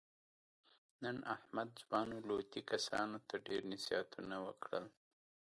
نن احمد ځوانو لوطي کسانو ته ډېر نصیحتونه وکړل.